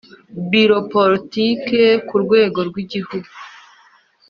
Biro politike ku rwego rw igihugu